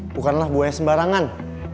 bukanlah buaya sembarangan